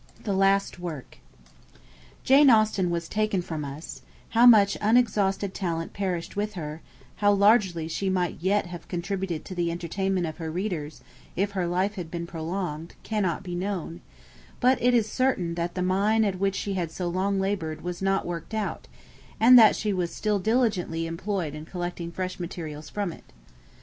The Last Work. Jane Austen was taken from us: how much unexhausted talent perished with her, how largely she might yet have contributed to the entertainment of her readers, if her life had been prolonged, cannot be known; but it is certain that the mine at which she had so long laboured was not worked out, and that she was still diligently employed in collecting fresh materials from it.